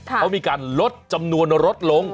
เขามีการลดจำนวนลดลง